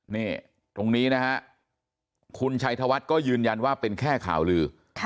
นี่ตรงนี้นะฮะคุณชัยธวัฒน์ก็ยืนยันว่าเป็นแค่ข่าวลือ